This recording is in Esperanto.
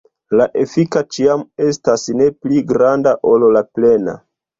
La efika ĉiam estas ne pli granda ol la plena.